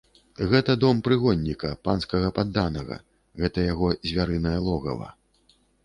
Гэта дом прыгонніка, панскага падданага, гэта яго звярынае логава.